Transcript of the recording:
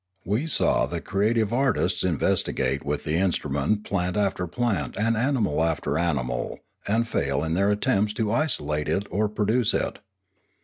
We saw the creative artists investigate with the instrument plant after plant and animal after animal, and fail in their attempts to isolate it or produce it.